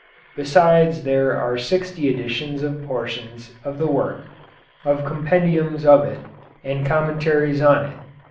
Besides there are sixty editions of portions of the work, of compendiums of it and commentaries on it.